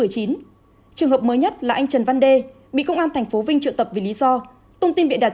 trường hợp mới nhất là anh trần văn đê bị công an thành phố vinh trợ tập vì lý do tung tin bịa đặt